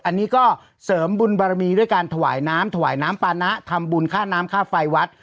อันนี้ก็เสริมบุญบารมีด้วยการถวายน้ำถวายน้ำปานะทำบุญค่าน้ำค่าไฟวัด